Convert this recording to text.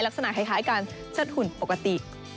ลักษณะคล้ายการเชิดหุ่นปกติ